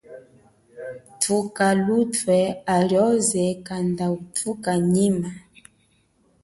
Thuka luthe halioze kanda uthuka nyima.